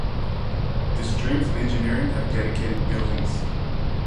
The streams of Engineering have dedicated buildings.